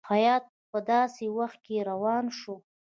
هیات په داسي وخت کې روان شو.